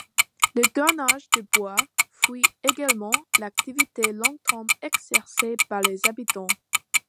Le tournage du buis fut également l'activité longtemps exercée par les habitants.